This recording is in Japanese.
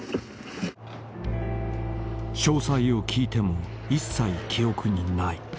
［詳細を聞いても一切記憶にない］